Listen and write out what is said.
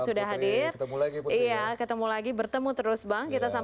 saya harapkan dia juga mengucapkan salam